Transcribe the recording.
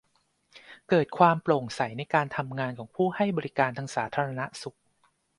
เกิดความโปร่งใสในการทำงานของผู้ให้บริการทางสาธารณสุข